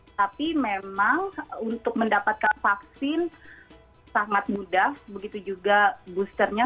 tapi memang untuk mendapatkan vaksin sangat mudah begitu juga boosternya